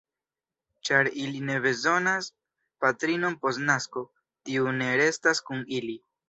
Ĉar ili ne bezonas patrinon post nasko, tiu ne restas kun ili.